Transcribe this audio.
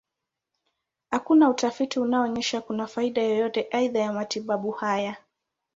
Hakuna utafiti unaonyesha kuna faida yoyote aidha ya matibabu haya.